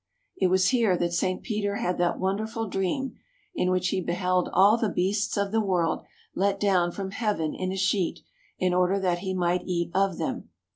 It was here that St. Peter had that wonderful dream, in which he beheld all the beasts of the world let down from heaven in a sheet, in order that he might eat of them.